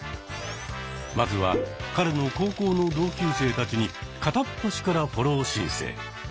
まずは彼の高校の同級生たちに片っ端からフォロー申請。